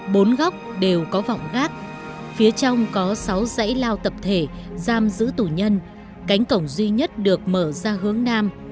bốn góc đều có vọng gác phía trong có sáu dãy lao tập thể giam giữ tù nhân cánh cổng duy nhất được mở ra hướng nam